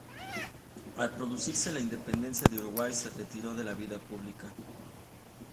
Al producirse la Independencia de Uruguay se retiró de la vida pública.